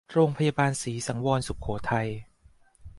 โรงพยาบาลศรีสังวรสุโขทัย